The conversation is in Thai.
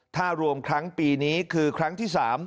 ถ้ารวมครั้งปีนี้คือครั้งที่๓